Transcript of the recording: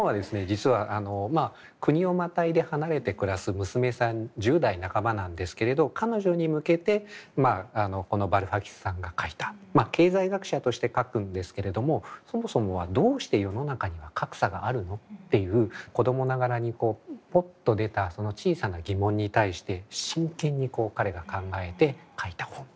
実は国をまたいで離れて暮らす娘さん１０代半ばなんですけれど彼女に向けてこのバルファキスさんが書いた経済学者として書くんですけれどもそもそもは「どうして世の中には格差があるの？」っていう子供ながらにポッと出たその小さな疑問に対して真剣に彼が考えて書いた本ということですね。